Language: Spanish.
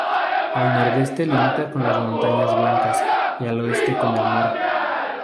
Al nordeste limita con las Montañas Blancas y al oeste con el mar.